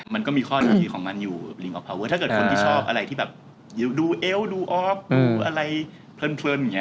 มันก็มีข้อดีของมันอยู่ถ้าเกิดคนที่ชอบอะไรที่ดูเอลฟดูออฟดูอะไรเพิ่ม